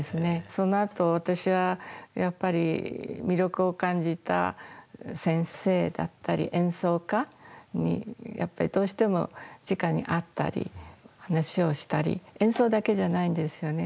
そのあと、私はやっぱり魅力を感じた先生だったり、演奏家に、やっぱりどうしてもじかに会ったり、話をしたり、演奏だけじゃないんですよね。